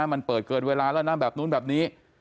มันเปิดเกินเวลาแล้วนะแบบนู้นแบบนี้